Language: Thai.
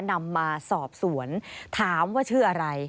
นำมาสอบสวนถามว่าชื่ออะไร